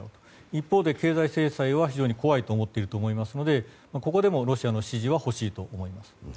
一方で経済制裁は非常に怖いと思っていると思いますのでここでもロシアの支持は欲しいと思います。